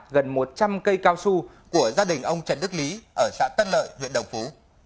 gần một trăm linh cây cao su của gia đình ông trần đức lý ở xã tân lợi huyện đồng phú